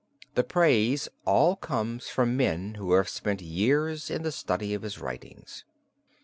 The praise all comes from men who have spent years in the study of his writings.